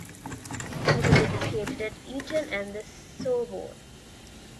He was educated at Eton and the Sorbonne.